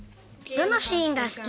どのシーンがすき？